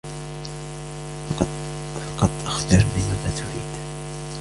فقط أخبرني ماذا تريد.